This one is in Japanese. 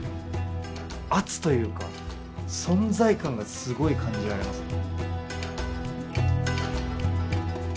圧というか存在感がすごい感じられますね。